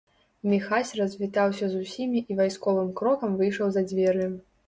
Міхась развітаўся з усімі і вайсковым крокам выйшаў за дзверы.